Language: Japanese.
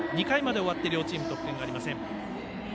２回まで終わって両チーム得点がありません。